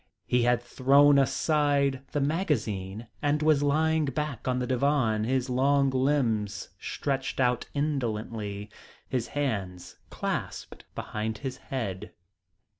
He had thrown aside the magazine and was lying back on the divan, his long limbs stretched out indolently, his hands clasped behind his head.